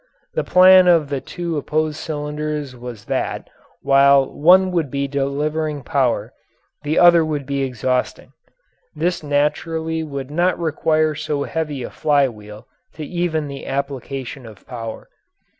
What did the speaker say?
The plan of the two opposed cylinders was that, while one would be delivering power the other would be exhausting. This naturally would not require so heavy a fly wheel to even the application of power.